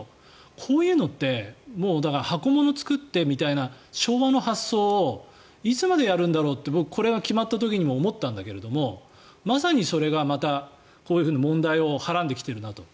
こういうのって、もうだから箱物を作ってみたいな昭和の発想をいつまでやろうんだろうって僕、これが決まった時にも思ったんだけどまさにそれがまた問題をはらんできているなと。